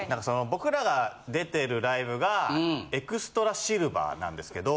僕らが出てるライブがエクストラシルバーなんですけど。